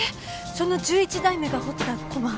その１１代目が彫った駒？